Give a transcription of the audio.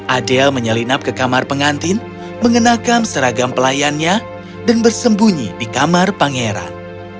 adel menyelinap ke kamar pengantin mengenakan seragam pelayannya dan bersembunyi di kamar pangeran